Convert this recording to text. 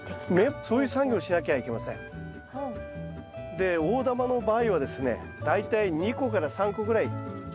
で大玉の場合はですね大体２個から３個ぐらい取ります。